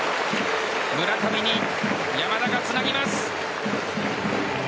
村上に山田がつなぎます。